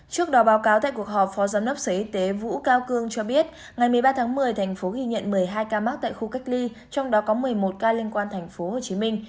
trước đó báo cáo tại cuộc họp phó giám đốc sở y tế vũ cao cương cho biết ngày một mươi ba tháng một mươi thành phố ghi nhận một mươi hai ca mắc tại khu cách ly trong đó có một mươi một ca liên quan thành phố hồ chí minh